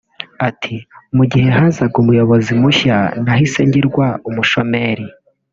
Ati “mu gihe hazaga umuyobozi mushya nahise ngirwa umushomeri